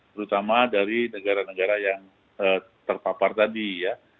terutama dari negara negara yang terpapar tadi ya